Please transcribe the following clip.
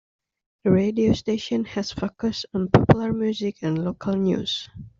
The radio station has focus on popular music and local news.